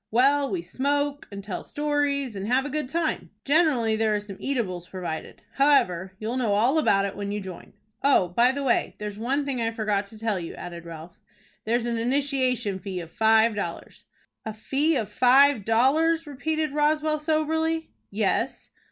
"Well, we smoke, and tell stories, and have a good time. Generally there are some eatables provided. However, you'll know all about it, when you join. Oh, by the way, there's one thing I forgot to tell you," added Ralph. "There's an initiation fee of five dollars." "A fee of five dollars!" repeated Roswell, soberly. "Yes."